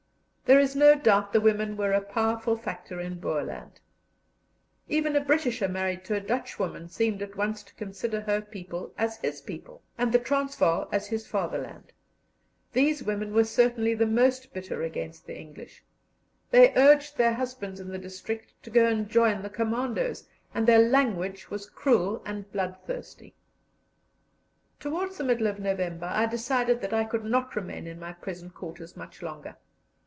There is no doubt the women were a powerful factor in Boerland. Even a Britisher married to a Dutchwoman seemed at once to consider her people as his people, and the Transvaal as his fatherland. These women were certainly the most bitter against the English; they urged their husbands in the district to go and join the commandoes, and their language was cruel and bloodthirsty. Towards the middle of November I decided that I could not remain in my present quarters much longer.